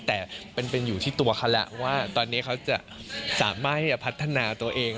แต่เป็นอยู่ที่ตัวเขาแล้วว่าตอนนี้เขาจะสามารถที่จะพัฒนาตัวเอง